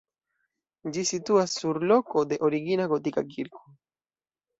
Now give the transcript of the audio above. Ĝi situas sur loko de origina gotika kirko.